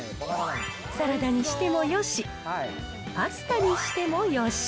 サラダにしてもよし、パスタにしてもよし。